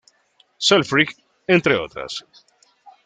Selfridge, entre otras.